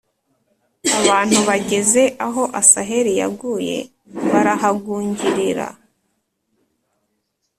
Abantu bageze aho Asaheli yaguye barahagungirira.